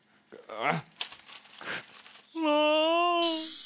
ああ。